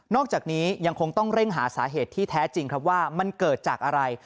อกจากนี้ยังคงต้องเร่งหาสาเหตุที่แท้จริงครับว่ามันเกิดจากอะไร